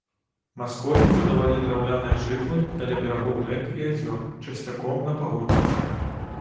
Маскогі будавалі драўляныя жытлы каля берагоў рэк і азёр, часцяком на пагорках.